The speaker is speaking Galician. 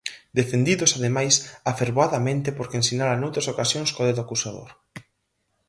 Defendidos, ademais, afervoadamente por quen sinala noutras ocasións co dedo acusador.